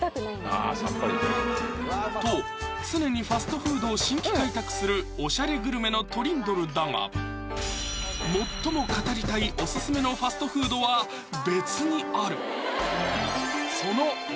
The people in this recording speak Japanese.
あぁさっぱり行けると常にファストフードを新規開拓するおしゃれグルメのトリンドルだが最も語りたいオススメのファストフードは別にある！